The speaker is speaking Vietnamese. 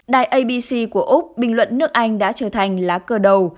đài abc của úc bình luận nước anh đã trở thành lá cờ đầu